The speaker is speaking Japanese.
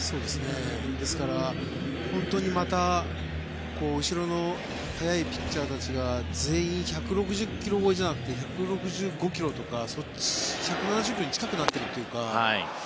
ですから、本当にまた後ろの速いピッチャーたちが全員１６０ｋｍ超えじゃなくて１６５ｋｍとか１７０ｋｍに近くなっているというか。